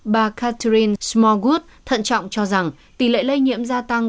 bà catherine smogud thận trọng cho rằng tỷ lệ lây nhiễm gia tăng